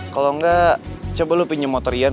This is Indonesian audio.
kalau enggak coba lo pinjem motor ian